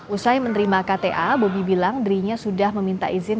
usai menerima kta bobi bilang dirinya sudah meminta izin